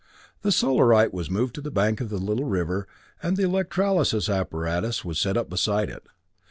The Solarite was moved to the bank of the little river and the electrolysis apparatus was set up beside it.